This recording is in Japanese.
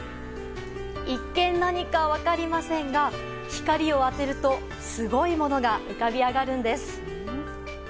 一見何か分かりませんが光を当てるとすごいものが浮かび上がるんです。